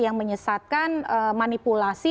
yang menyesatkan manipulasi